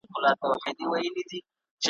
عمرونه وسول په تیارو کي دي رواني جرګې ,